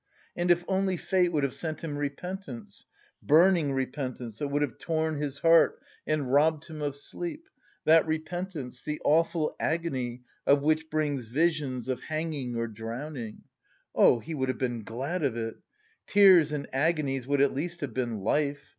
And if only fate would have sent him repentance burning repentance that would have torn his heart and robbed him of sleep, that repentance, the awful agony of which brings visions of hanging or drowning! Oh, he would have been glad of it! Tears and agonies would at least have been life.